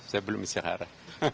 saya belum istiqara